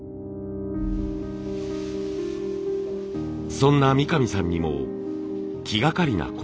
そんな三上さんにも気がかりなことが。